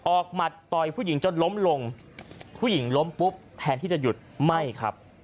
หมัดต่อยผู้หญิงจนล้มลงผู้หญิงล้มปุ๊บแทนที่จะหยุดไม่ครับ